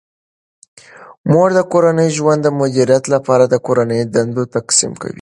مور د کورني ژوند د مدیریت لپاره د کورني دندو تقسیم کوي.